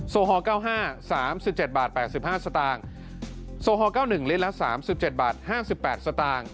ฮอล๙๕๓๗บาท๘๕สตางค์โซฮอล๙๑ลิตรละ๓๗บาท๕๘สตางค์